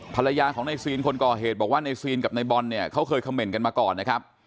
ภรรยาของในซีนคนก่อเหตุบอกว่าในซีนกับในบอลเนี่ยเขาเคยคำเมนต์กันมาก่อนนะครับ